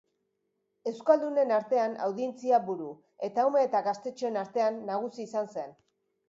Euskaldunen artean audientzia-buru, eta ume eta gaztetxoen artean nagusi izan zen.